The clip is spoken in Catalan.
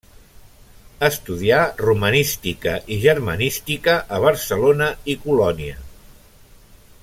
Estudià romanística i germanística a Barcelona i Colònia.